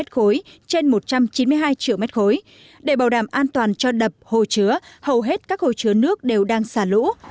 trên một trăm chín mươi hai triệu mét khối để bảo đảm an toàn cho đập hồ chứa hầu hết các hồ chứa nước đều đang xả lũ